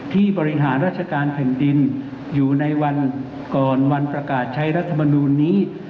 บริหารราชการแผ่นดินอยู่ในวันก่อนวันประกาศใช้รัฐมนูลนี้